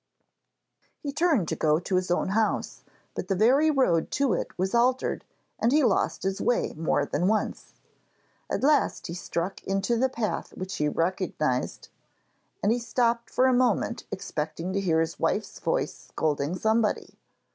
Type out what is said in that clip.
He turned to go to his own house, but the very road to it was altered, and he lost his way more than once. At last he struck into a path which he recognised, and he stopped for a moment expecting to hear his wife's voice scolding somebody.